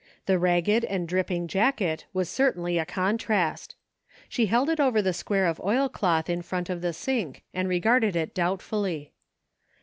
The ragged and dripping jacket was certainly a contrast. She held it over the square of oilcloth in front of the sink, and regarded it doubtfully.